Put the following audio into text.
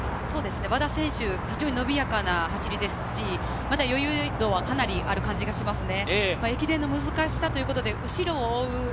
和田選手、非常に伸びやかな走りで、余裕度はかなりある感じがしますね。